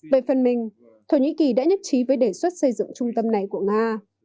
về phần mình thổ nhĩ kỳ đã nhất trí với đề xuất xây dựng trung tâm này của nga